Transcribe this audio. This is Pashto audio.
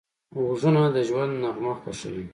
غوږونه د ژوند نغمه خوښوي